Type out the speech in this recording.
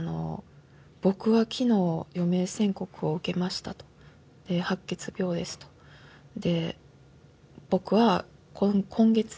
「僕は昨日余命宣告を受けました」とで「白血病です」とで「僕は今月で」